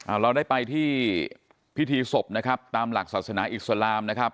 เราได้ไปที่พิธีศพนะครับตามหลักศาสนาอิสลามนะครับ